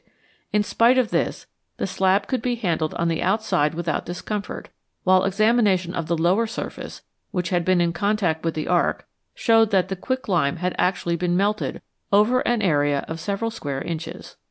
In spite of this, the slab could be handled on the outside without discomfort, while examination of the lower surface, which had been in contact with the arc, showed that the quicklime had actually been melted over an area of several square inches.